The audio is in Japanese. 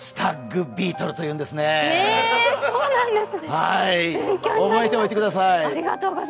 スタッグビートルというんですね、覚えておいてください。